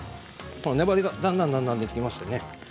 粘りがだんだんだんだん出てきましたね。